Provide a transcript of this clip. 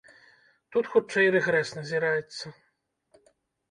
Тут хутчэй рэгрэс назіраецца.